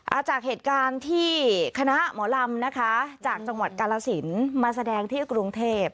จากเหตุการณ์ที่คณะหมอลำนะคะจากจังหวัดกาลสินมาแสดงที่กรุงเทพ